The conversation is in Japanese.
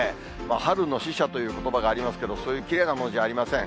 春の使者ということばがありますけど、そういうきれいなもんじゃありません。